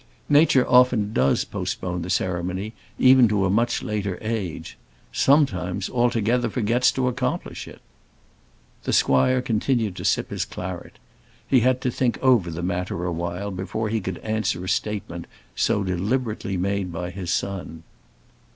Nature often does postpone the ceremony even to a much later age; sometimes, altogether forgets to accomplish it. The squire continued to sip his claret; he had to think over the matter a while before he could answer a statement so deliberately made by his son.